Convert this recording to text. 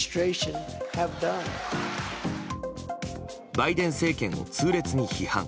バイデン政権を痛烈に批判。